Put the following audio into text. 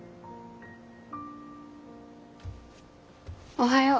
おはよう。